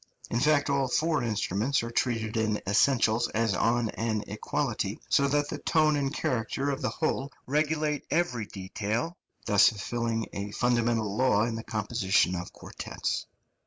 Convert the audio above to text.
In fact all four instruments are treated in essentials as on an equality, so that the tone and character of the {QUINTET, 1772.} (313) whole regulate every detail, thus fulfilling a fundamental law in the composition of quartets.